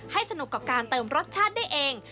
สนุกกับการเติมรสชาติได้เอง